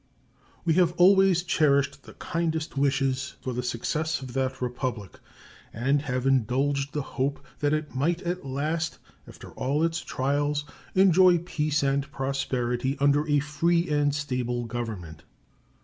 We have always cherished the kindest wishes for the success of that Republic, and have indulged the hope that it might at last, after all its trials, enjoy peace and prosperity under a free and stable government.